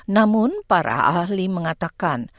namun para ahli mengatakan